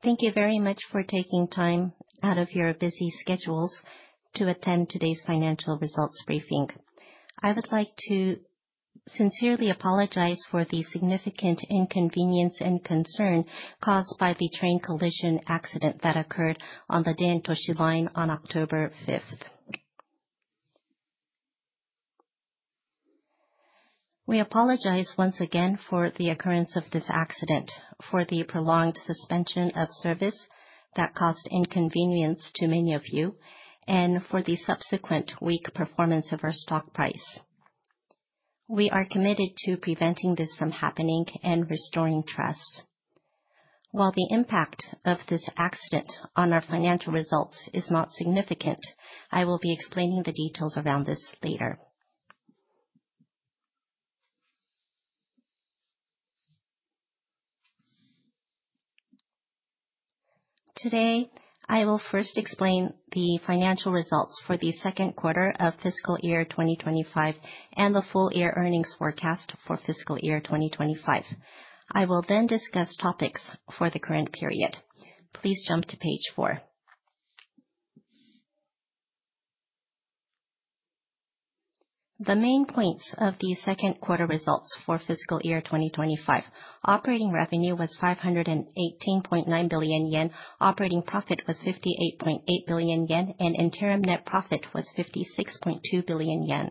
Thank you very much for taking time out of your busy schedules to attend today's financial results briefing. I would like to sincerely apologize for the significant inconvenience and concern caused by the train collision accident that occurred on the Den-en-toshi Line on October 5th. We apologize once again for the occurrence of this accident, for the prolonged suspension of service that caused inconvenience to many of you, and for the subsequent weak performance of our stock price. We are committed to preventing this from happening and restoring trust. While the impact of this accident on our financial results is not significant, I will be explaining the details around this later. Today, I will first explain the financial results for the second quarter of fiscal year 2025 and the full-year earnings forecast for fiscal year 2025. I will then discuss topics for the current period. Please jump to page four. The main points of the second quarter results for fiscal year 2025. Operating revenue was 518.9 billion yen, operating profit was 58.8 billion yen, and interim net profit was 56.2 billion yen.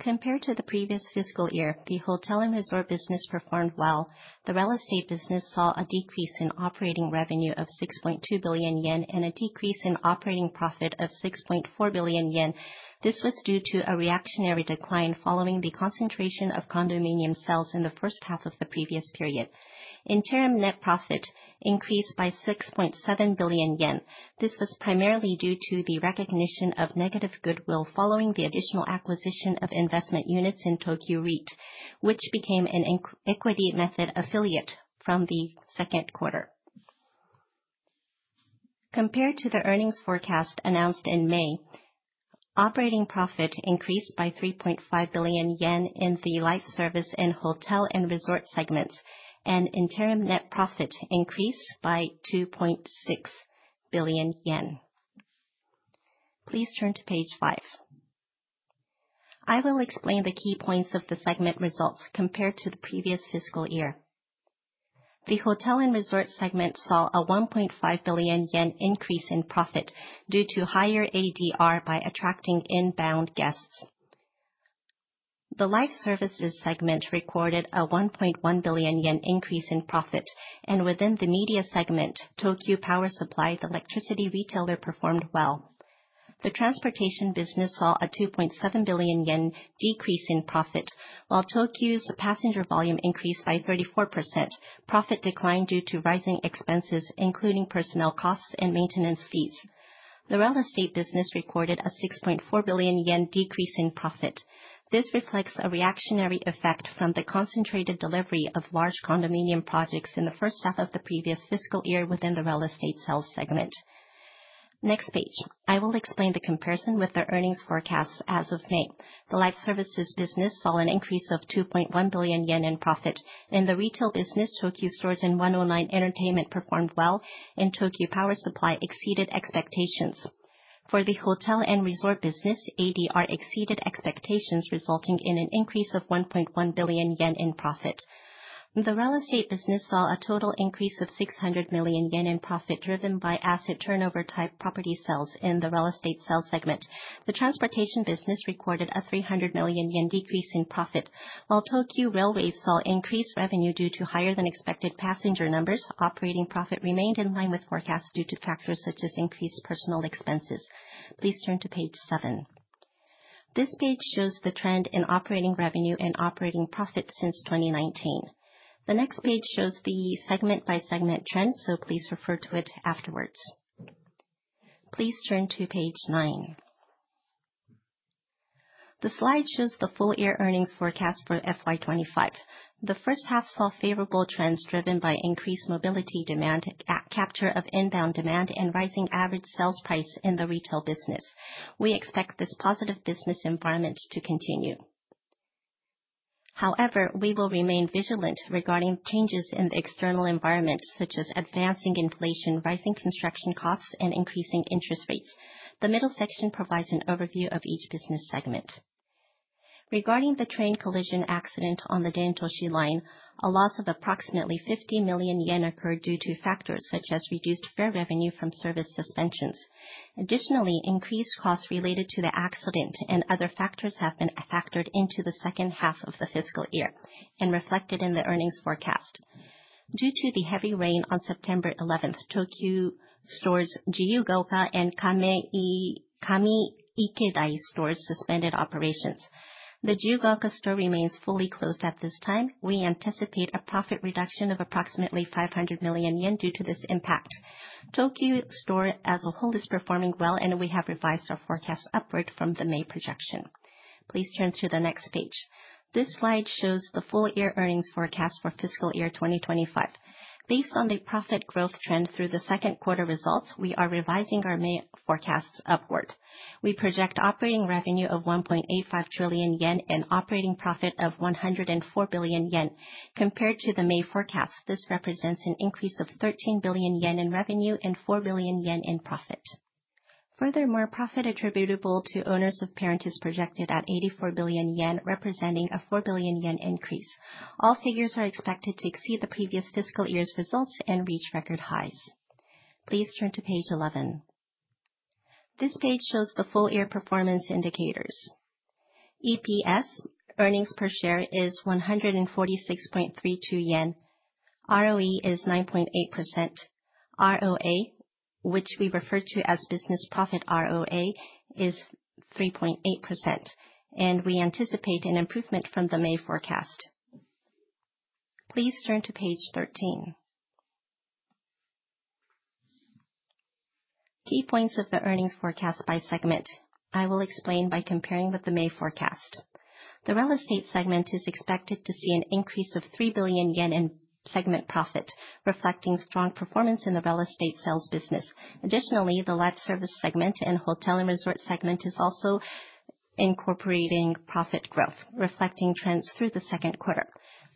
Compared to the previous fiscal year, the hotel and resort business performed well. The real estate business saw a decrease in operating revenue of 6.2 billion yen and a decrease in operating profit of 6.4 billion yen. This was due to a reactionary decline following the concentration of condominium sales in the first half of the previous period. Interim net profit increased by 6.7 billion yen. This was primarily due to the recognition of negative goodwill following the additional acquisition of investment units in TOKYU REIT, which became an equity method affiliate from the second quarter. Compared to the earnings forecast announced in May, operating profit increased by 3.5 billion yen in the life service and hotel and resort segments, and interim net profit increased by 2.6 billion yen. Please turn to page five. I will explain the key points of the segment results compared to the previous fiscal year. The hotel and resort segment saw a 1.5 billion yen increase in profit due to higher ADR by attracting inbound guests. The life services segment recorded a 1.1 billion yen increase in profit, and within the media segment, Tokyu Power Supply, the electricity retailer, performed well. The transportation business saw a 2.7 billion yen decrease in profit. While Tokyu's passenger volume increased by 34%, profit declined due to rising expenses, including personnel costs and maintenance fees. The real estate business recorded a 6.4 billion yen decrease in profit. This reflects a reactionary effect from the concentrated delivery of large condominium projects in the first half of the previous fiscal year within the real estate sales segment. Next page. I will explain the comparison with the earnings forecast as of May. The life services business saw an increase of 2.1 billion yen in profit. In the retail business, Tokyu Stores and Shibuya 109 Entertainment performed well, and Tokyu Power Supply exceeded expectations. For the hotel and resort business, ADR exceeded expectations, resulting in an increase of 1.1 billion yen in profit. The real estate business saw a total increase of 600 million yen in profit, driven by asset turnover-type property sales in the real estate sales segment. The transportation business recorded a 300 million yen decrease in profit. While Tokyu Railways saw increased revenue due to higher-than-expected passenger numbers, operating profit remained in line with forecasts due to factors such as increased personal expenses. Please turn to page seven. This page shows the trend in operating revenue and operating profit since 2019. The next page shows the segment-by-segment trend, please refer to it afterwards. Please turn to page nine. The slide shows the full-year earnings forecast for FY 2025. The first half saw favorable trends driven by increased mobility demand, capture of inbound demand, and rising average sales price in the retail business. We expect this positive business environment to continue. However, we will remain vigilant regarding changes in the external environment, such as advancing inflation, rising construction costs, and increasing interest rates. The middle section provides an overview of each business segment. Regarding the train collision accident on the Den-en-toshi Line, a loss of approximately 50 million yen occurred due to factors such as reduced fare revenue from service suspensions. Additionally, increased costs related to the accident and other factors have been factored into the second half of the fiscal year and reflected in the earnings forecast. Due to the heavy rain on September 11th, Tokyu Store's Jiyugaoka and Kamiikeda stores suspended operations. The Jiyugaoka store remains fully closed at this time. We anticipate a profit reduction of approximately 500 million yen due to this impact. Tokyu Store as a whole is performing well, and we have revised our forecast upward from the May projection. Please turn to the next page. This slide shows the full-year earnings forecast for fiscal year 2025. Based on the profit growth trend through the second quarter results, we are revising our May forecasts upward. We project operating revenue of 1.85 trillion yen and operating profit of 104 billion yen. Compared to the May forecast, this represents an increase of 13 billion yen in revenue and 4 billion yen in profit. Furthermore, profit attributable to owners of parent is projected at 84 billion yen, representing a 4 billion yen increase. All figures are expected to exceed the previous fiscal year's results and reach record highs. Please turn to page 11. This page shows the full-year performance indicators. EPS, earnings per share, is 146.32 yen. ROE is 9.8%. ROA, which we refer to as business profit ROA, is 3.8%, and we anticipate an improvement from the May forecast. Please turn to page 13. Key points of the earnings forecast by segment. I will explain by comparing with the May forecast. The real estate segment is expected to see an increase of 3 billion yen in segment profit, reflecting strong performance in the real estate sales business. Additionally, the life service segment and hotel and resort segment is also incorporating profit growth, reflecting trends through the second quarter.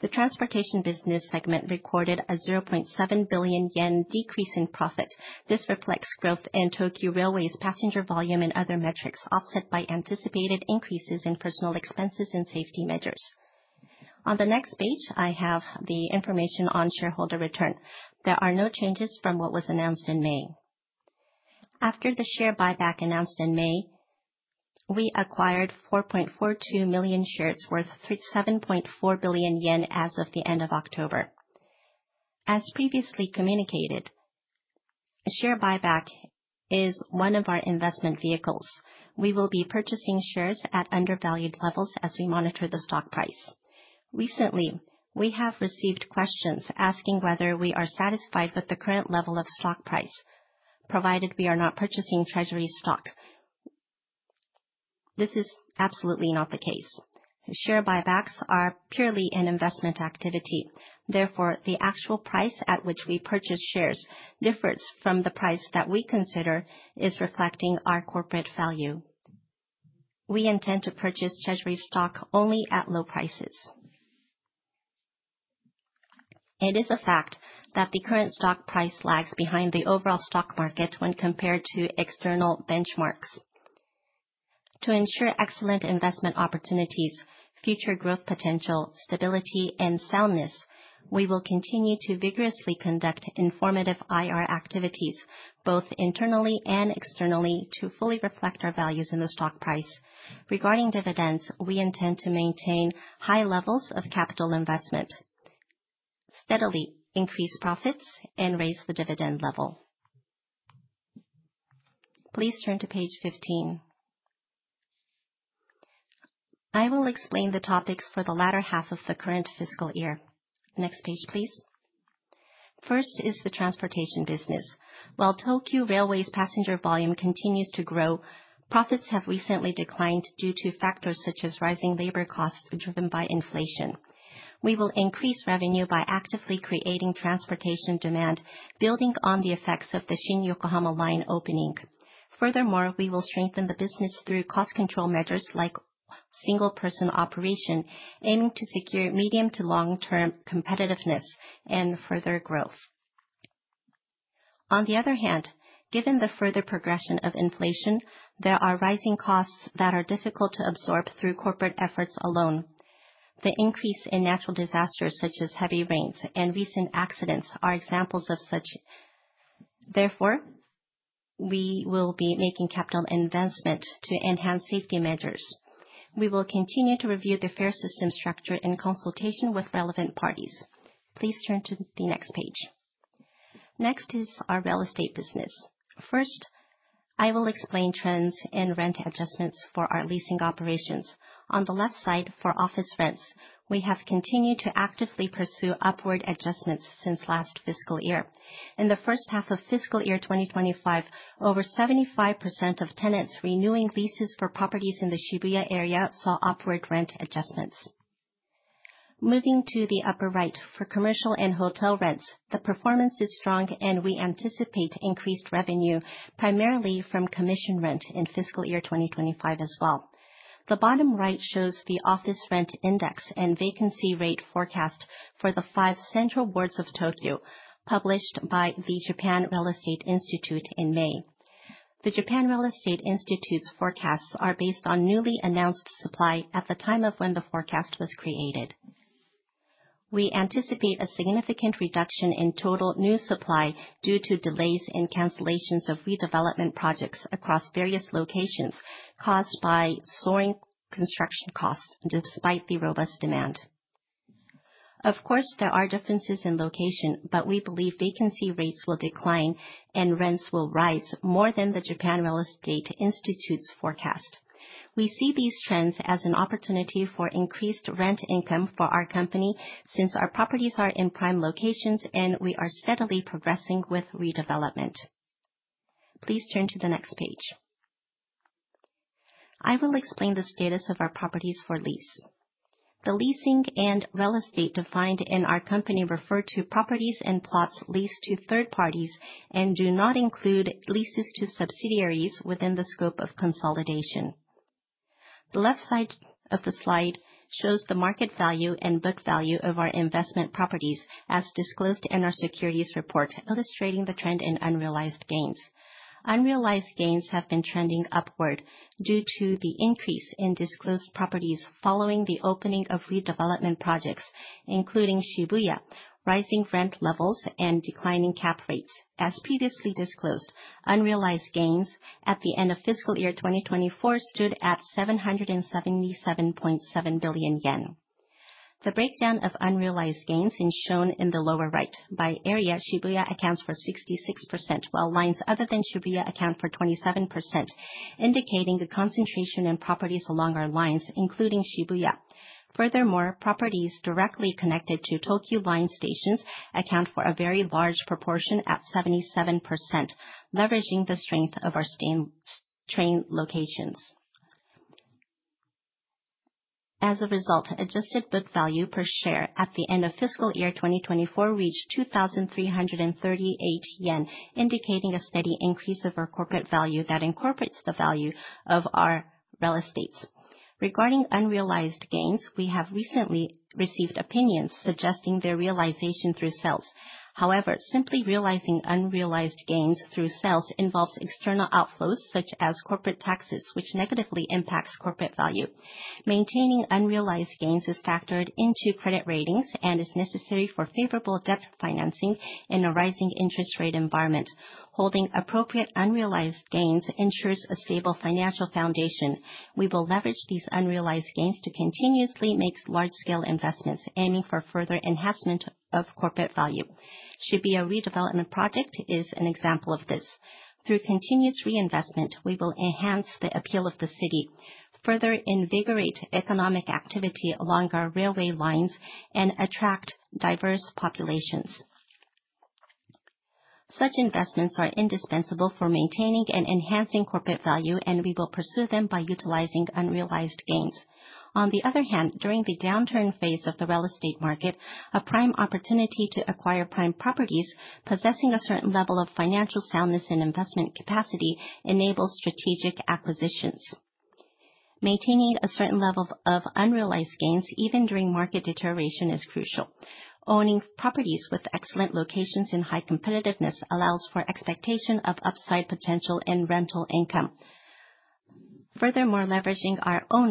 The transportation business segment recorded a 0.7 billion yen decrease in profit. This reflects growth in Tokyu Railways' passenger volume and other metrics, offset by anticipated increases in personal expenses and safety measures. On the next page, I have the information on shareholder return. There are no changes from what was announced in May. After the share buyback announced in May, we acquired 4.42 million shares worth 7.4 billion yen as of the end of October. As previously communicated, a share buyback is one of our investment vehicles. We will be purchasing shares at undervalued levels as we monitor the stock price. Recently, we have received questions asking whether we are satisfied with the current level of stock price, provided we are not purchasing treasury stock. This is absolutely not the case. Share buybacks are purely an investment activity. Therefore, the actual price at which we purchase shares differs from the price that we consider is reflecting our corporate value. We intend to purchase treasury stock only at low prices. It is a fact that the current stock price lags behind the overall stock market when compared to external benchmarks. To ensure excellent investment opportunities, future growth potential, stability, and soundness, we will continue to vigorously conduct informative IR activities, both internally and externally, to fully reflect our values in the stock price. Regarding dividends, we intend to maintain high levels of capital investment, steadily increase profits, and raise the dividend level. Please turn to page 15. I will explain the topics for the latter half of the current fiscal year. Next page, please. First is the transportation business. While Tokyu Railways' passenger volume continues to grow, profits have recently declined due to factors such as rising labor costs driven by inflation. We will increase revenue by actively creating transportation demand, building on the effects of the Shin Yokohama Line opening. Furthermore, we will strengthen the business through cost control measures like single-person operation, aiming to secure medium to long-term competitiveness and further growth. On the other hand, given the further progression of inflation, there are rising costs that are difficult to absorb through corporate efforts alone. The increase in natural disasters such as heavy rains and recent accidents are examples of such. Therefore, we will be making capital investment to enhance safety measures. We will continue to review the fare system structure in consultation with relevant parties. Please turn to the next page. Next is our real estate business. First, I will explain trends in rent adjustments for our leasing operations. On the left side, for office rents, we have continued to actively pursue upward adjustments since last fiscal year. In the first half of FY 2025, over 75% of tenants renewing leases for properties in the Shibuya area saw upward rent adjustments. Moving to the upper right, for commercial and hotel rents, the performance is strong, and we anticipate increased revenue, primarily from commission rent in FY 2025 as well. The bottom right shows the office rent index and vacancy rate forecast for the five central wards of Tokyo, published by the Japan Real Estate Institute in May. The Japan Real Estate Institute's forecasts are based on newly announced supply at the time of when the forecast was created. We anticipate a significant reduction in total new supply due to delays and cancellations of redevelopment projects across various locations caused by soaring construction costs, despite the robust demand. Of course, there are differences in location, but we believe vacancy rates will decline and rents will rise more than the Japan Real Estate Institute's forecast. We see these trends as an opportunity for increased rent income for our company since our properties are in prime locations and we are steadily progressing with redevelopment. Please turn to the next page. I will explain the status of our properties for lease. The leasing and real estate defined in our company refer to properties and plots leased to third parties and do not include leases to subsidiaries within the scope of consolidation. The left side of the slide shows the market value and book value of our investment properties as disclosed in our securities report, illustrating the trend in unrealized gains. Unrealized gains have been trending upward due to the increase in disclosed properties following the opening of redevelopment projects, including Shibuya, rising rent levels, and declining cap rates. As previously disclosed, unrealized gains at the end of FY 2024 stood at 777.7 billion yen. The breakdown of unrealized gains is shown in the lower right. By area, Shibuya accounts for 66%, while lines other than Shibuya account for 27%, indicating a concentration in properties along our lines, including Shibuya. Furthermore, properties directly connected to Tokyu line stations account for a very large proportion at 77%, leveraging the strength of our train locations. As a result, adjusted book value per share at the end of FY 2024 reached 2,338 yen, indicating a steady increase of our corporate value that incorporates the value of our real estates. Regarding unrealized gains, we have recently received opinions suggesting their realization through sales. Simply realizing unrealized gains through sales involves external outflows such as corporate taxes, which negatively impacts corporate value. Maintaining unrealized gains is factored into credit ratings and is necessary for favorable debt financing in a rising interest rate environment. Holding appropriate unrealized gains ensures a stable financial foundation. We will leverage these unrealized gains to continuously make large-scale investments, aiming for further enhancement of corporate value. Shibuya redevelopment project is an example of this. Through continuous reinvestment, we will enhance the appeal of the city, further invigorate economic activity along our railway lines, and attract diverse populations. Such investments are indispensable for maintaining and enhancing corporate value, and we will pursue them by utilizing unrealized gains. Leveraging our own commercial floor space enables the harvesting and further expansion of profits from diverse directly managed businesses. On the other hand, during the downturn phase of the real estate market, a prime opportunity to acquire prime properties possessing a certain level of financial soundness and investment capacity enables strategic acquisitions. Maintaining a certain level of unrealized gains, even during market deterioration, is crucial. Owning properties with excellent locations and high competitiveness allows for expectation of upside potential in rental income. In fact, while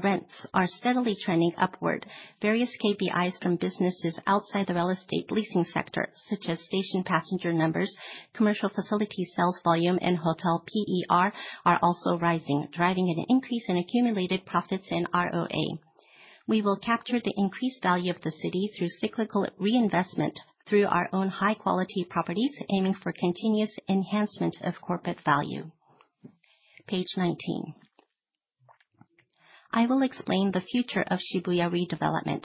rents are steadily trending upward, various KPIs from businesses outside the real estate leasing sector, such as station passenger numbers, commercial facility sales volume, and hotel RevPAR, are also rising, driving an increase in accumulated profits and ROA. We will capture the increased value of the city through cyclical reinvestment through our own high-quality properties, aiming for continuous enhancement of corporate value. Page 19. I will explain the future of Shibuya redevelopment.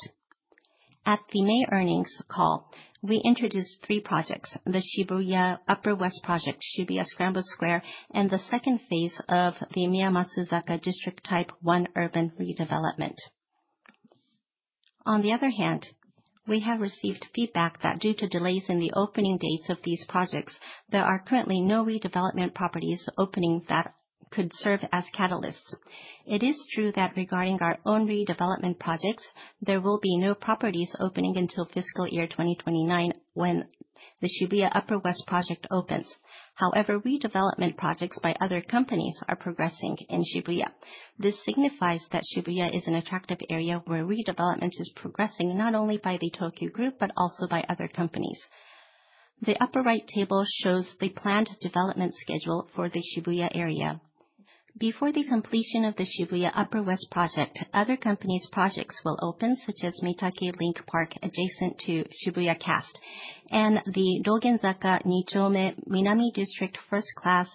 At the May earnings call, we introduced three projects, the Shibuya Upper West Project, Shibuya Scramble Square, and the second phase of the Miyamasuzaka District Type 1 Urban Redevelopment. We have received feedback that due to delays in the opening dates of these projects, there are currently no redevelopment properties opening that could serve as catalysts. It is true that regarding our own redevelopment projects, there will be no properties opening until fiscal year 2029, when the Shibuya Upper West Project opens. However, redevelopment projects by other companies are progressing in Shibuya. This signifies that Shibuya is an attractive area where redevelopment is progressing not only by the Tokyu Group but also by other companies. The upper right table shows the planned development schedule for the Shibuya area. Before the completion of the Shibuya Upper West Project, other companies' projects will open, such as MITAKE Link Park, adjacent to Shibuya Cast, and the Dogenzaka 2-chome Minami District First-Class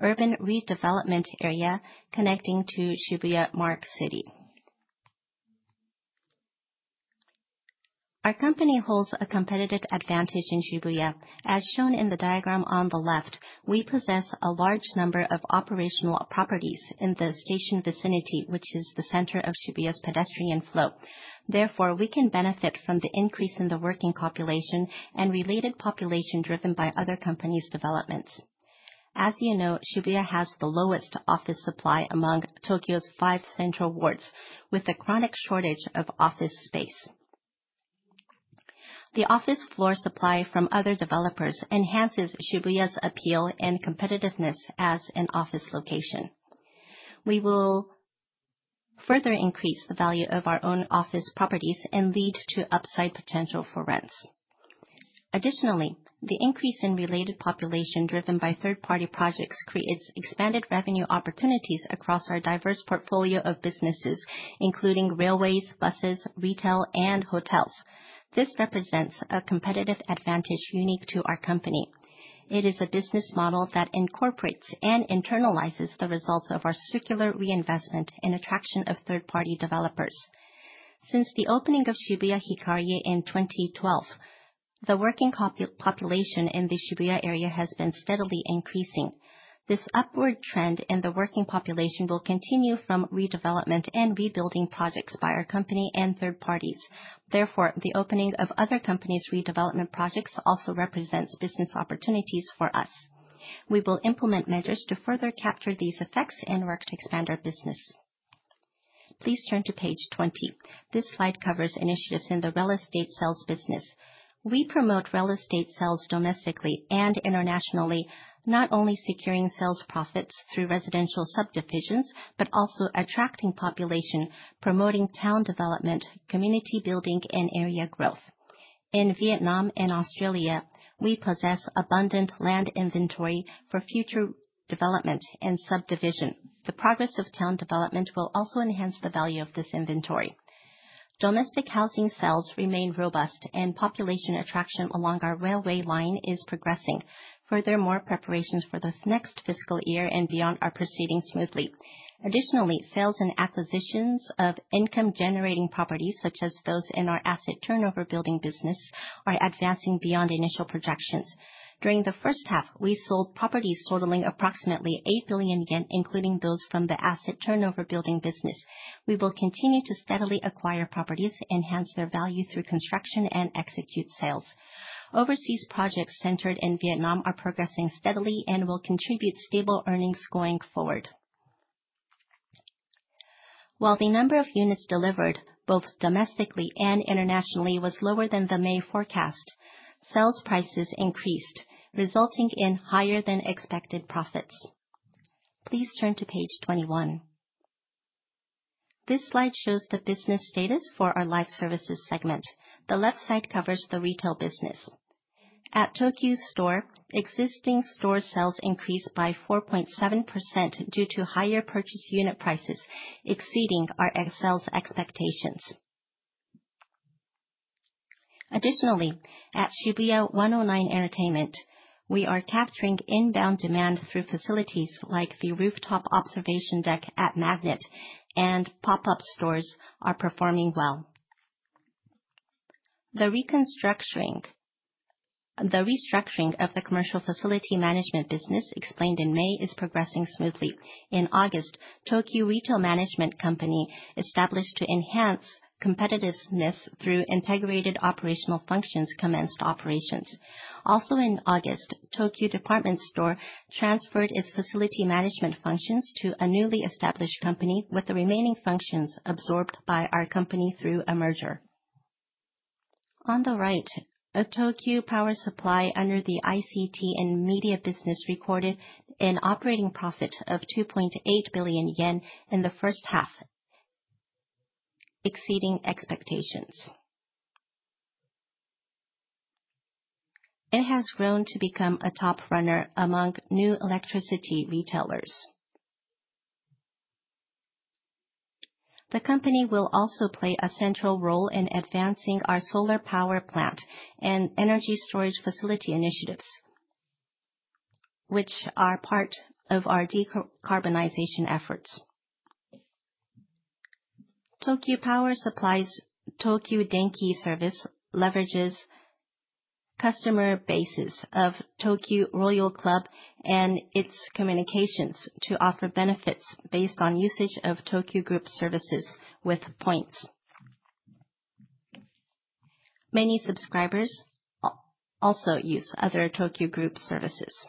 Urban Redevelopment Area, connecting to Shibuya Mark City. Our company holds a competitive advantage in Shibuya. As shown in the diagram on the left, we possess a large number of operational properties in the station vicinity, which is the center of Shibuya's pedestrian flow. Therefore, we can benefit from the increase in the working population and related population driven by other companies' developments. As you know, Shibuya has the lowest office supply among Tokyo's five central wards, with a chronic shortage of office space. The office floor supply from other developers enhances Shibuya's appeal and competitiveness as an office location. We will further increase the value of our own office properties and lead to upside potential for rents. Additionally, the increase in related population driven by third-party projects creates expanded revenue opportunities across our diverse portfolio of businesses, including railways, buses, retail, and hotels. This represents a competitive advantage unique to our company. It is a business model that incorporates and internalizes the results of our circular reinvestment and attraction of third-party developers. Since the opening of Shibuya Hikarie in 2012, the working population in the Shibuya area has been steadily increasing. This upward trend in the working population will continue from redevelopment and rebuilding projects by our company and third parties. Therefore, the opening of other companies' redevelopment projects also represents business opportunities for us. We will implement measures to further capture these effects and work to expand our business. Please turn to page 20. This slide covers initiatives in the real estate sales business. We promote real estate sales domestically and internationally, not only securing sales profits through residential subdivisions, but also attracting population, promoting town development, community building, and area growth. In Vietnam and Australia, we possess abundant land inventory for future development and subdivision. The progress of town development will also enhance the value of this inventory. Domestic housing sales remain robust, and population attraction along our railway line is progressing. Furthermore, preparations for the next fiscal year and beyond are proceeding smoothly. Additionally, sales and acquisitions of income-generating properties, such as those in our asset turnover building business, are advancing beyond initial projections. During the first half, we sold properties totaling approximately 8 billion yen, including those from the asset turnover building business. We will continue to steadily acquire properties, enhance their value through construction, and execute sales. Overseas projects centered in Vietnam are progressing steadily and will contribute stable earnings going forward. While the number of units delivered, both domestically and internationally, was lower than the May forecast, sales prices increased, resulting in higher than expected profits. Please turn to page 21. This slide shows the business status for our life services segment. The left side covers the retail business. At Tokyu Store, existing store sales increased by 4.7% due to higher purchase unit prices, exceeding our sales expectations. Additionally, at Shibuya 109 Entertainment, we are capturing inbound demand through facilities like the rooftop observation deck at Magnet, and pop-up stores are performing well. The restructuring of the commercial facility management business explained in May is progressing smoothly. In August, Tokyu Retail Management Company, established to enhance competitiveness through integrated operational functions, commenced operations. Also in August, Tokyu Department Store transferred its facility management functions to a newly established company, with the remaining functions absorbed by our company through a merger. On the right, Tokyu Power Supply, under the ICT and media business, recorded an operating profit of 2.8 billion yen in the first half, exceeding expectations. It has grown to become a top runner among new electricity retailers. The company will also play a central role in advancing our solar power plant and energy storage facility initiatives, which are part of our decarbonization efforts. Tokyu Power Supply's Tokyu Denki Service leverages customer bases of TOKYU ROYAL CLUB and its communications to offer benefits based on usage of Tokyu Group services with points. Many subscribers also use other Tokyu Group services.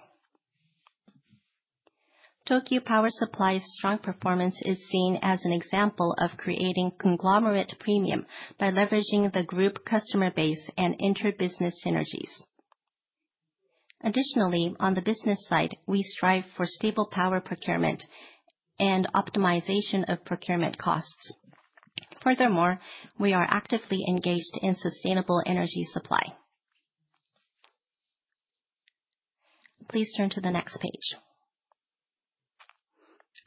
Tokyu Power Supply's strong performance is seen as an example of creating conglomerate premium by leveraging the group customer base and inter-business synergies. Additionally, on the business side, we strive for stable power procurement and optimization of procurement costs. Furthermore, we are actively engaged in sustainable energy supply. Please turn to the next page.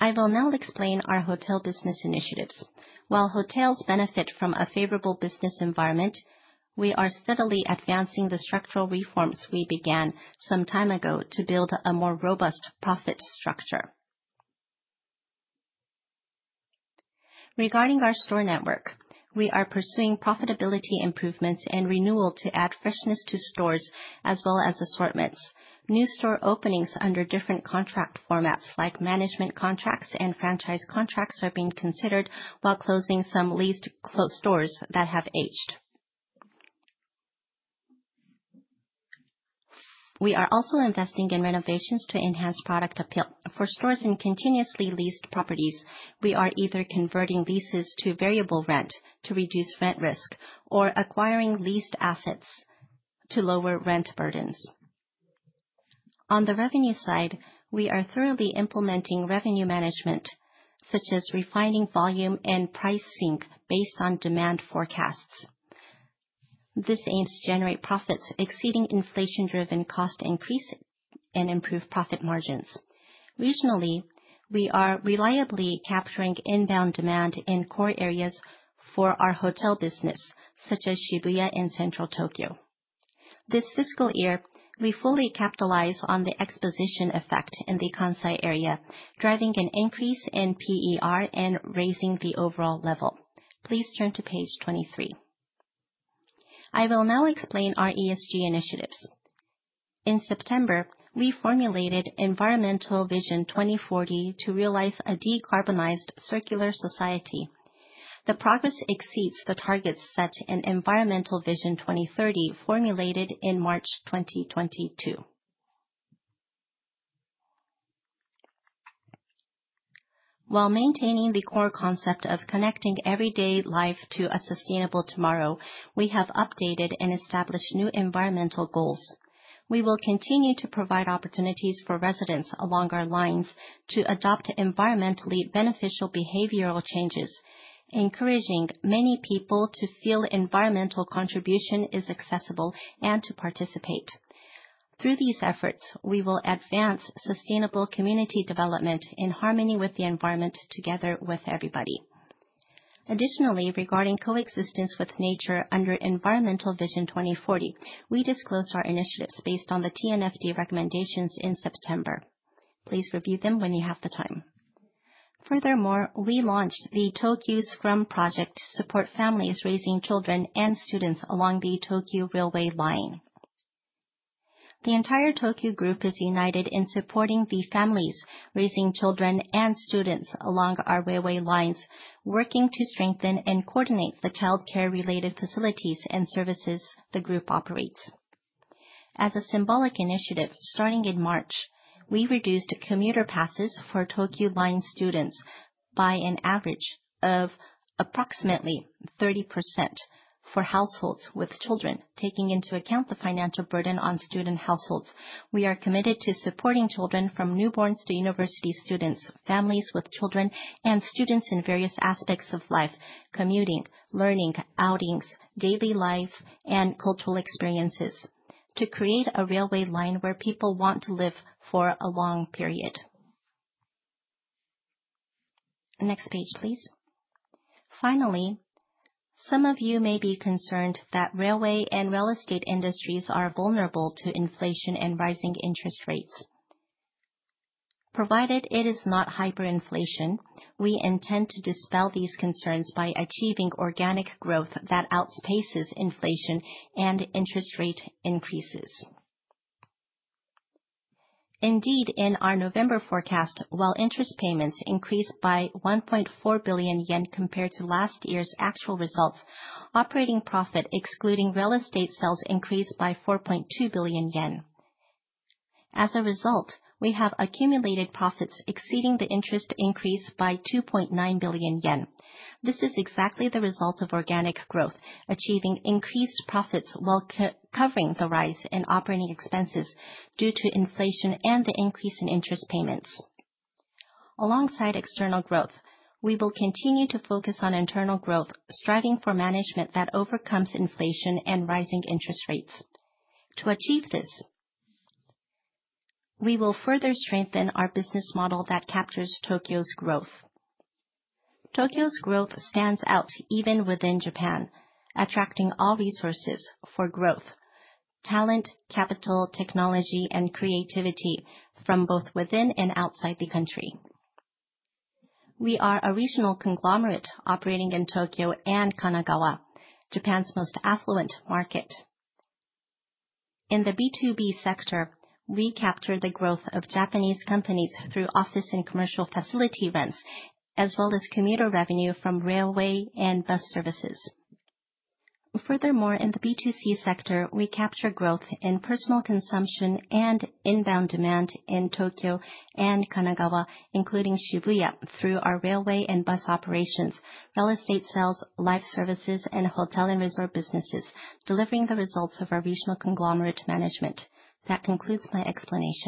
I will now explain our hotel business initiatives. While hotels benefit from a favorable business environment, we are steadily advancing the structural reforms we began some time ago to build a more robust profit structure. Regarding our store network, we are pursuing profitability improvements and renewal to add freshness to stores as well as assortments. New store openings under different contract formats like management contracts and franchise contracts are being considered while closing some leased stores that have aged. We are also investing in renovations to enhance product appeal. For stores in continuously leased properties, we are either converting leases to variable rent to reduce rent risk or acquiring leased assets to lower rent burdens. On the revenue side, we are thoroughly implementing revenue management, such as refining volume and price sync based on demand forecasts. This aims to generate profits exceeding inflation-driven cost increases and improve profit margins. Regionally, we are reliably capturing inbound demand in core areas for our hotel business, such as Shibuya and central Tokyo. This fiscal year, we fully capitalize on the exposition effect in the Kansai area, driving an increase in PER and raising the overall level. Please turn to page 23. I will now explain our ESG initiatives. In September, we formulated Environmental Vision 2040 to realize a decarbonized circular society. The progress exceeds the targets set in Environmental Vision 2030, formulated in March 2022. While maintaining the core concept of connecting everyday life to a sustainable tomorrow, we have updated and established new environmental goals. We will continue to provide opportunities for residents along our lines to adopt environmentally beneficial behavioral changes, encouraging many people to feel environmental contribution is accessible and to participate. Through these efforts, we will advance sustainable community development in harmony with the environment together with everybody. Additionally, regarding coexistence with nature under Environmental Vision 2040, we disclosed our initiatives based on the TNFD recommendations in September. Please review them when you have the time. Furthermore, we launched the Tokyu's Scrum Project to support families raising children and students along the Tokyu railway line. The entire Tokyu Group is united in supporting the families, raising children and students along our railway lines, working to strengthen and coordinate the childcare-related facilities and services the group operates. As a symbolic initiative, starting in March, we reduced commuter passes for Tokyu Line students by an average of approximately 30% for households with children, taking into account the financial burden on student households. We are committed to supporting children from newborns to university students, families with children, and students in various aspects of life, commuting, learning, outings, daily life, and cultural experiences to create a railway line where people want to live for a long period. Next page, please. Finally, some of you may be concerned that railway and real estate industries are vulnerable to inflation and rising interest rates. Provided it is not hyperinflation, we intend to dispel these concerns by achieving organic growth that outpaces inflation and interest rate increases. Indeed, in our November forecast, while interest payments increased by 1.4 billion yen compared to last year's actual results, operating profit excluding real estate sales increased by 4.2 billion yen. As a result, we have accumulated profits exceeding the interest increase by 2.9 billion yen. This is exactly the result of organic growth, achieving increased profits while covering the rise in operating expenses due to inflation and the increase in interest payments. Alongside external growth, we will continue to focus on internal growth, striving for management that overcomes inflation and rising interest rates. To achieve this, we will further strengthen our business model that captures Tokyo's growth. Tokyo's growth stands out even within Japan, attracting all resources for growth, talent, capital, technology, and creativity from both within and outside the country. We are a regional conglomerate operating in Tokyo and Kanagawa, Japan's most affluent market. In the B2B sector, we capture the growth of Japanese companies through office and commercial facility rents, as well as commuter revenue from railway and bus services. Furthermore, in the B2C sector, we capture growth in personal consumption and inbound demand in Tokyo and Kanagawa, including Shibuya, through our railway and bus operations, real estate sales, life services, and hotel and resort businesses, delivering the results of our regional conglomerate management. That concludes my explanation.